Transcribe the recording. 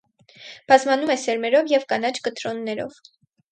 Բազմանում է սերմերով և կանաչ կտրոններով։